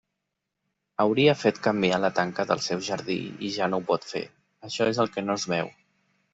Hauria fet canviar la tanca del seu jardí i ja no ho pot fer, això és el que no es veu.